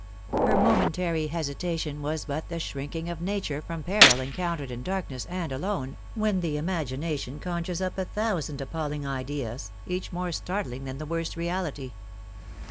Her momentary hesitation was but the shrinking of nature from peril encountered in darkness and alone, when the imagination conjures up a thousand appalling ideas, each more startling than the worst reality.